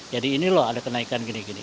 jadi ini loh ada kenaikan gini gini